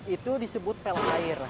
itu disebut pel air